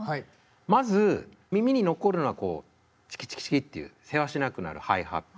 まず耳に残るのはこう「チキチキチキ」っていうせわしなくなるハイハット。